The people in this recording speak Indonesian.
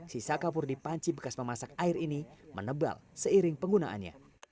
sisa kapur di panci bekas memasak air ini menebal seiring penggunaannya